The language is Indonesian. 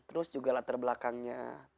terus juga latar belakangnya